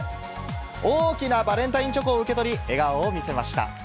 大きなバレンタインチョコを受け取り、笑顔を見せました。